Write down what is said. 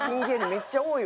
めっちゃ多い。